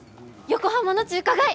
横浜の中華街！